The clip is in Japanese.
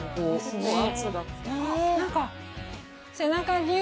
すごい！